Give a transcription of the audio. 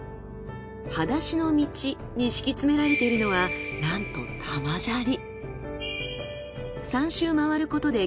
はだしの道に敷き詰められているのはなんと玉砂利。